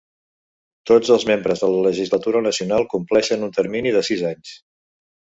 Tots els membres de la legislatura nacional compleixen un termini de sis anys.